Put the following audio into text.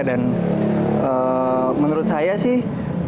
dan menurut saya sih